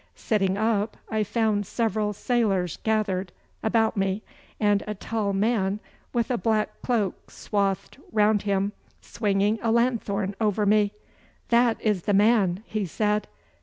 Sitting up, I found several sailors gathered about me, and a tall man with a black cloak swathed round him swinging a lanthorn over me. 'That is the man,' he said.